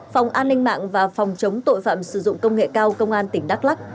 phòng an ninh mạng và phòng chống tội phạm sử dụng công nghệ cao công an tỉnh đắk lắc